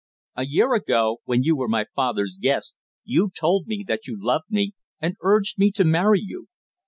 A year ago, when you were my father's guest, you told me that you loved me, and urged me to marry you.